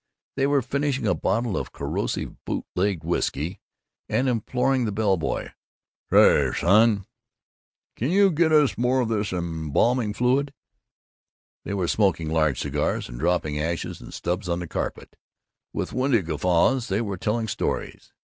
They were finishing a bottle of corrosive bootlegged whisky and imploring the bell boy, "Say, son, can you get us some more of this embalming fluid?" They were smoking large cigars and dropping ashes and stubs on the carpet. With windy guffaws they were telling stories.